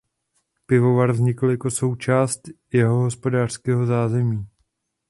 Pivovar vznikl jako součást jeho hospodářského zázemí.